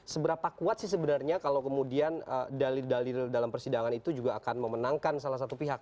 seberapa kuat sih sebenarnya kalau kemudian dalil dalil dalam persidangan itu juga akan memenangkan salah satu pihak